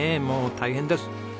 もう大変です。